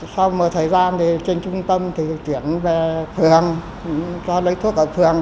sau một thời gian thì trên trung tâm thì chuyển về phường cho lấy thuốc ở phường